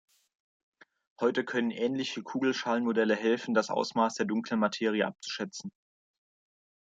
Heute können ähnliche Kugelschalen-Modelle helfen, das Ausmaß der Dunklen Materie abzuschätzen.